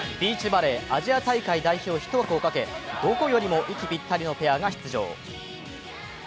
バレーアジア大会代表１枠をかけどこよりも息ぴったりのペアが出場。